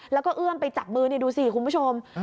แล้วก็เอื้อมไปจับมือนี่ดูสิคุณผู้ชม